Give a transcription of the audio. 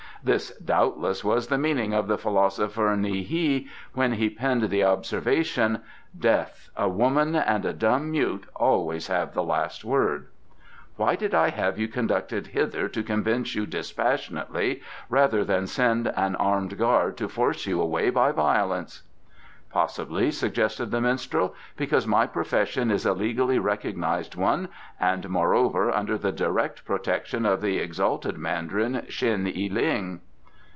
This, doubtless, was the meaning of the philosopher Nhy hi when he penned the observation, 'Death, a woman and a dumb mute always have the last word,' Why did I have you conducted hither to convince you dispassionately, rather than send an armed guard to force you away by violence?" "Possibly," suggested the minstrel, "because my profession is a legally recognized one, and, moreover, under the direct protection of the exalted Mandarin Shen y ling."